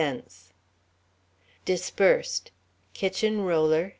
86 Disbursed: Kitchen roller.